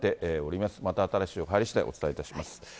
また新しい情報入りしだい、お伝えいたします。